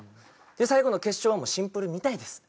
最後の決勝はもうシンプルに見たいです。